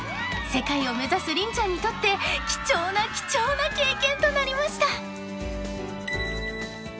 ［世界を目指す凛ちゃんにとって貴重な貴重な経験となりました］